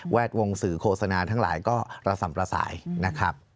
ดวงสื่อโฆษณาทั้งหลายก็ระส่ำระสายนะครับ